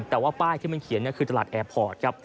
แต่ว่าป้ายที่มันเขียนคือตลาดแอร์พอร์ตครับ